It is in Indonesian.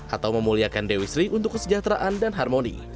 atau memuliakan dewi sri untuk kesejahteraan dan harmoni